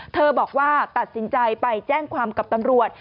บอกว่าตัดสินใจไปแจ้งความกับตำรวจ